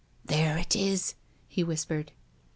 " There it is," he whispered.